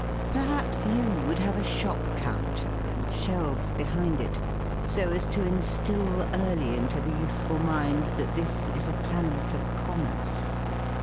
Perhaps you would have a shop counter, and shelves behind it, so as to instil early into the youthful mind that this is a planet of commerce!